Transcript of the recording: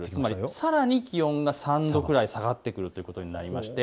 さらに気温が３度ぐらい下がってくるということになります。